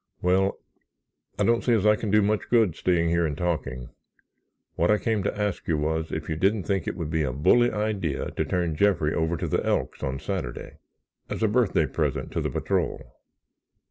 Well, I don't see as I can do much good staying here and talking. What I came to ask you was if you didn't think it would be a bully idea to turn Jeffrey over to the Elks on Saturday—as a birthday present to the patrol."